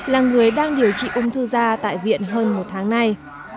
là người đang điều trị ung thư da tại viện hơn một tháng nay